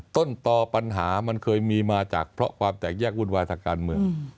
ต้นต่อปัญหามันเคยมีมาจากเพราะความแตกแยกวุ่นวายทางการเมือง